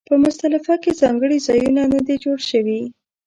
په مزدلفه کې ځانګړي ځایونه نه دي جوړ شوي.